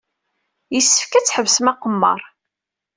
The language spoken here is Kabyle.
Yessefk ad tḥebsem aqemmer.